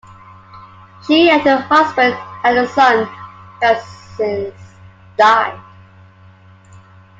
She and her husband had a son, who has since died.